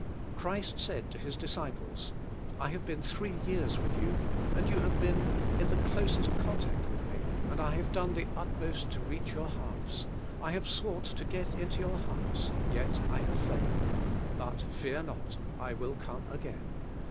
Christ said to His disciples: "I have been three years with you, and you have been in the closest contact with me, and I have done the utmost to reach your hearts; I have sought to get into your hearts, yet I have failed ; but fear not, I will come again.